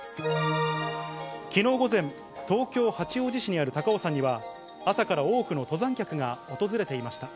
きのう午前、東京・八王子市にある高尾山には、朝から多くの登山客が訪れていました。